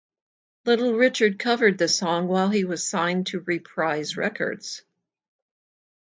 Little Richard covered the song while he was signed to Reprise Records.